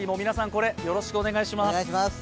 これ、よろしくお願いします